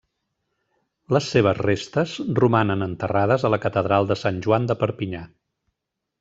Les seves restes romanen enterrades a la Catedral de Sant Joan de Perpinyà.